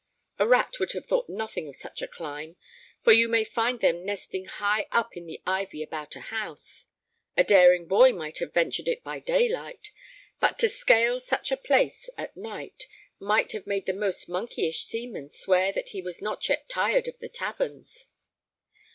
A rat would have thought nothing of such a climb, for you may find them nesting high up in the ivy about a house. A daring boy might have ventured it by daylight, but to scale such a place at night might have made the most monkeyish seaman swear that he was not yet tired of the taverns.